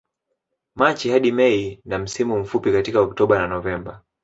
Machi hadi Mei na msimu mfupi katika Oktoba na Novemba